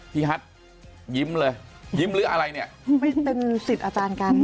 ฮัทยิ้มเลยยิ้มหรืออะไรเนี่ยไม่เป็นสิทธิ์อาจารย์กัน